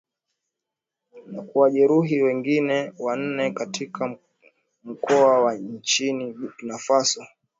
na kuwajeruhi wengine wanane katika mkoa wa nchini Burkina Faso